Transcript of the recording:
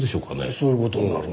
そういう事になるな。